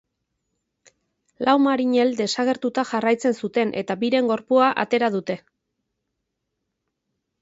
Lau marinel desagertuta jarraitzen zuten eta biren gorpua atear dute.